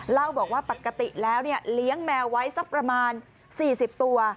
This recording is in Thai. เล่าบอกว่าปกติแล้วเลี้ยงแมวไว้สักประมาณ๔๐ตัว